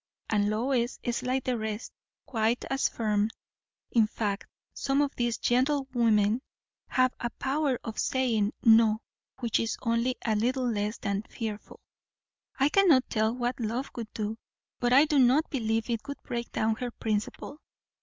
And Lois is like the rest; quite as firm; in fact, some of these gentlewomen have a power of saying 'no' which is only a little less than fearful. I cannot tell what love would do; but I do not believe it would break down her principle.